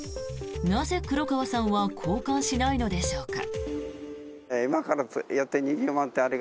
なぜ黒川さんは交換しないのでしょうか？